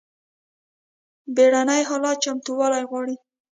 بیړني حالات چمتووالی غواړي